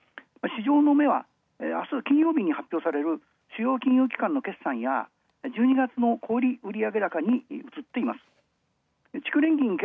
市場の目は明日金曜日に発表される企業金融機関の決算や１２月の小売売上高にあります。